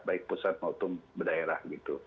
baik pusat maupun daerah